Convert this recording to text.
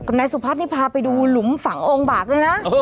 นายสุพัฒน์นี่พาไปดูหลุมฝังองค์บากด้วยนะ